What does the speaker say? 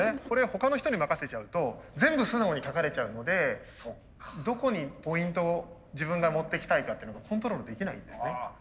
これ他の人に任せちゃうと全部素直に書かれちゃうのでどこにポイントを自分がもっていきたいかっていうのがコントロールできないんですね。